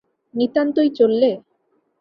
– নিতান্তই চললে?